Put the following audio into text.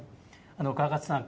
川勝さん